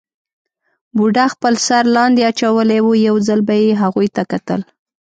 بوډا خپل سر لاندې اچولی وو، یو ځل به یې هغوی ته کتل.